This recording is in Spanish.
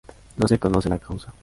No se conoce la causa.